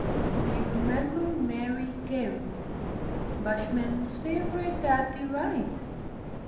You remember Mary Carey, Bushmen's favourite at the Rise?